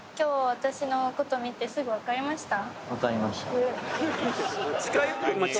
今日私の事見てすぐわかりました？